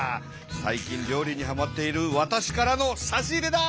最近料理にはまっているわたしからの差し入れだ！